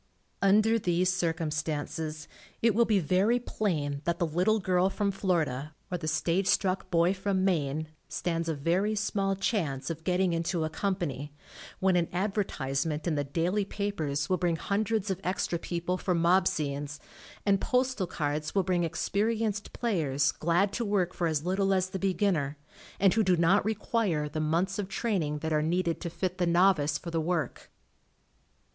Under these circumstances it will be very plain that the little girl from Flor ida, or the stage struck boy from Maine, stands a very small chance of getting into a company, when an advertisement in the daily papers will bring hundreds of extra people for mob scenes, and postal cards will bring experienced players glad to work for as little as the beginner, and who do not require the months of train ing that are needed, to fit the novice for the work.